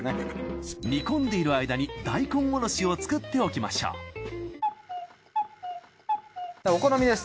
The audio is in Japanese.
煮込んでいる間に大根おろしを作っておきましょうお好みです。